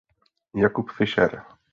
Jakub Fišer.